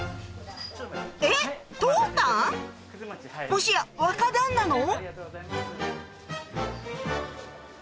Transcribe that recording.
もしや若旦那の？